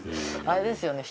あれですよね？